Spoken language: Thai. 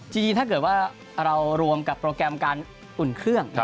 จริงถ้าเกิดว่าเรารวมกับโปรแกรมการอุ่นเครื่อง